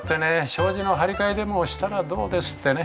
障子の張り替えでもしたらどうです？ってね。